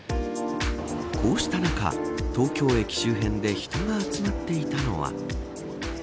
こうした中東京駅周辺で人が集まっていたのは。